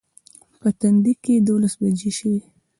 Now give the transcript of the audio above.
په تندي کې دولس بجې شوې.